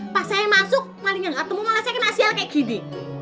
pas saya masuk malingnya gak ketemu malah saya kena sial kayak gini